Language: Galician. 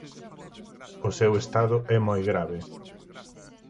O seu estado é moi grave.